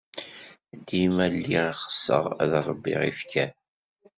Dima lliɣ ɣseɣ ad ṛebbiɣ ifker.